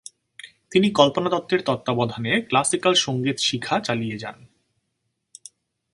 তিনি কল্পনা দত্তের তত্ত্বাবধানে ক্লাসিকাল সঙ্গীত শিখা চালিয়ে যান।